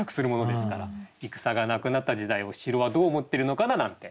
戦がなくなった時代を城はどう思ってるのかな？なんて